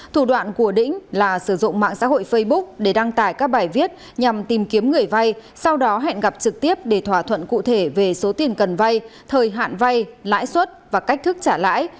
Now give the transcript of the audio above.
thủ đoạn của đĩnh là sử dụng mạng xã hội facebook để đăng tải các bài viết nhằm tìm kiếm người vay sau đó hẹn gặp trực tiếp để thỏa thuận cụ thể về số tiền cần vay thời hạn vay lãi suất và cách thức trả lãi